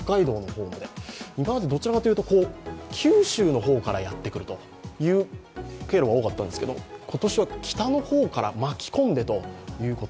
北海道の方まで、今までどちらかというと九州の方からやってくる経路が多かったんですけど、今年は北の方から巻き込んでということ。